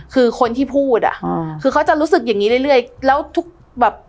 คือคนที่พูดอ่ะอ่าคือเขาจะรู้สึกอย่างงี้เรื่อยแล้วทุกแบบ